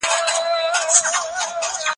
خلک کولی شي خپل برخلیک بدل کړي.